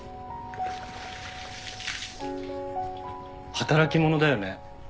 働き者だよね。